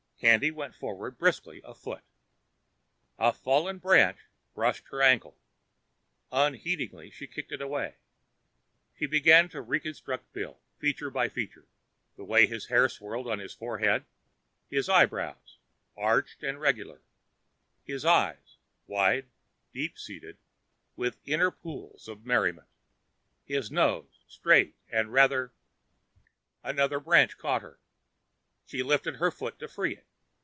Candy went forward briskly afoot. A fallen branch brushed her ankle. Unheedingly, she kicked it away. She began to reconstruct Bill, feature by feature: the way his hair swirled on his forehead; his eyebrows, arched and regular; his eyes, wide, deep seated, with inner pools of merriment; his nose, straight and rather ... Another branch caught her. She lifted her foot to free it.